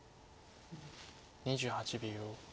２８秒。